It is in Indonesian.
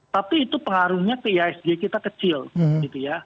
tapi itu pengaruhnya ke ihsg kita kecil gitu ya